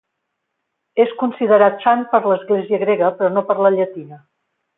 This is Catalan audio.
És considerat sant per l'Església grega, però no per la llatina.